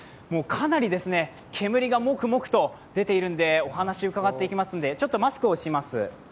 かなり煙がもくもくとでているのでお話伺っていきますのでちょっとマスクをします。